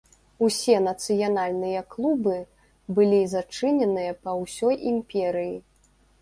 Усе нацыянальныя клубы былі зачыненыя па ўсёй імперыі.